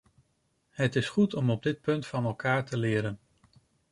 Het is goed om op dit punt van elkaar te leren.